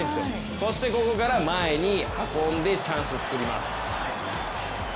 そしてここから前に運んでチャンスを作ります。